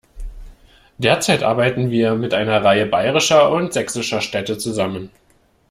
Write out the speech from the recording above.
Derzeit arbeiten wir mit einer Reihe bayerischer und sächsischer Städte zusammen.